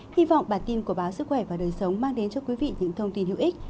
hy vọng bản tin của báo sức khỏe và đời sống mang đến cho quý vị những thông tin hữu ích